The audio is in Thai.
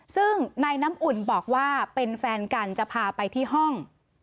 ซึ่งนายน้ำอุ่นบอกว่าเป็นแฟนกันจะพาไปที่ห้อง